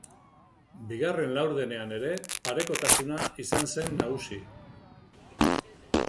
Bigarren laurdenean ere parekotasuna izan zen nagusi.